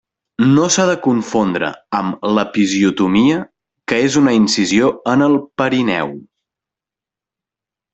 No s'ha de confondre amb l'episiotomia, que és una incisió en el perineu.